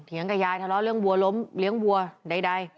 กับยายทะเลาะเรื่องวัวล้มเลี้ยงวัวใด